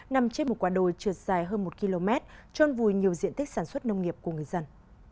nằm trên một quả đồi trượt dài hơn một km trôn vùi nhiều diện tích sản xuất nông nghiệp của người dân